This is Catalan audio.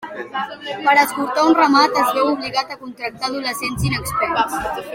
Per escortar un ramat, es veu obligat a contractar adolescents inexperts.